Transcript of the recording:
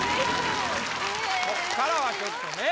こっからはちょっとね